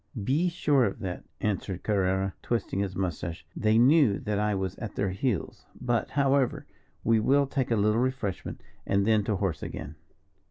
"Be sure of that," answered Carrerra, twisting his moustache; "they knew that I was at their heels. But, however, we will take a little refreshment, and then to horse again."